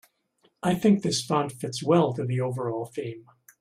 I think this font fits well to the overall theme.